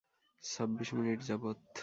ছাব্বিশ মিনিট যাবত।